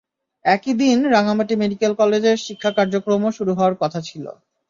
একই দিন রাঙামাটি মেডিকেল কলেজের শিক্ষা কার্যক্রমও শুরু হওয়ার কথা ছিল।